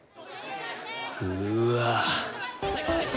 うわ！